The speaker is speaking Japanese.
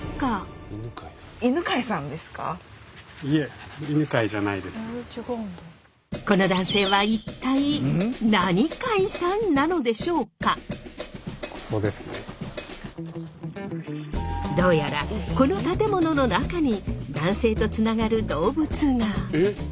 いえこの男性は一体どうやらこの建物の中に男性とつながる動物が。